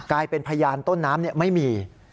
กลายเป็นพยานต้นน้ำไม่มี